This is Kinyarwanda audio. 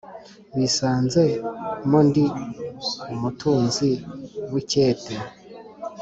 bazisanze mo ndi umutunzi w’ikete